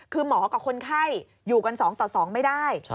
คือหมอกับคนไข้อยู่กัน๒ต่อ๒ไม่ได้